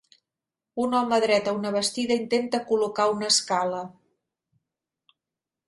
Un home dret a una bastida intenta col·locar una escala.